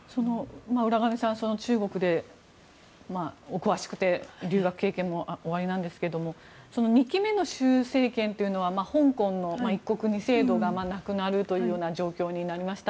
浦上さん中国にお詳しくて留学経験もおありなんですが２期目の習政権というのは香港の一国二制度がなくなるという状況になりました。